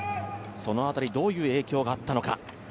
その辺り、どういう影響があったのか。